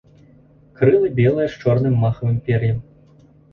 Крылы белыя з чорным махавым пер'ем.